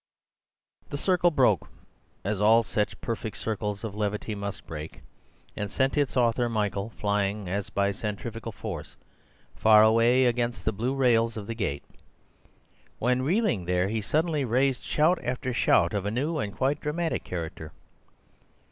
The circle broke—as all such perfect circles of levity must break— and sent its author, Michael, flying, as by centrifugal force, far away against the blue rails of the gate. When reeling there he suddenly raised shout after shout of a new and quite dramatic character.